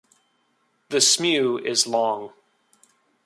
The smew is long.